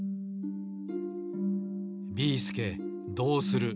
ビーすけどうする！？